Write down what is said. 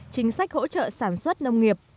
chính sách hỗ trợ sản xuất nông nghiệp